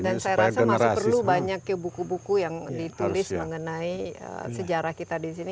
saya rasa masih perlu banyak ya buku buku yang ditulis mengenai sejarah kita di sini